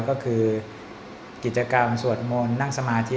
ก็คือกิจกรรมสวดมนต์นั่งสมาธิ